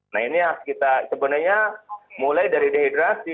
nah ini harus kita sebenarnya mulai dari dehidrasi